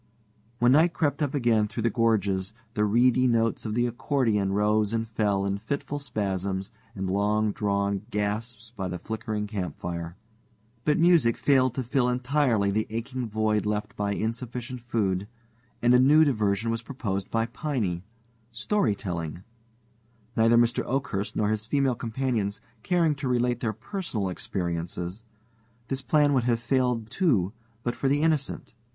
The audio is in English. When night crept up again through the gorges, the reedy notes of the accordion rose and fell in fitful spasms and long drawn gasps by the flickering campfire. But music failed to fill entirely the aching void left by insufficient food, and a new diversion was proposed by Piney storytelling. Neither Mr. Oakhurst nor his female companions caring to relate their personal experiences, this plan would have failed too but for the Innocent.